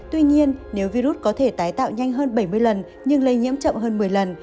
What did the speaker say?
tuy nhiên nếu virus có thể tái tạo nhanh hơn bảy mươi lần nhưng lây nhiễm chậm hơn một mươi lần